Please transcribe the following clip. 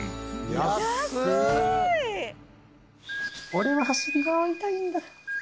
俺は走り回りたいんだ。